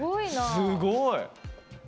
すごい！